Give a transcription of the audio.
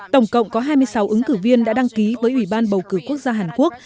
tổng cộng có hai mươi sáu ứng cử viên đã đăng ký với ủy ban bầu cử quốc gia hàn quốc